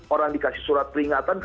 orang dikasih surat peringatan